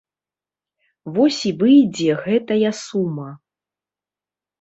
Вось і выйдзе гэтая сума.